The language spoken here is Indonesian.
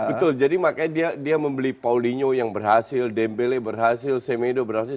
betul jadi makanya dia membeli paulino yang berhasil dembele berhasil semedo berhasil